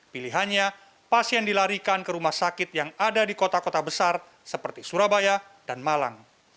pilihannya pasien dilarikan ke rumah sakit yang ada di kota kota besar seperti surabaya dan malang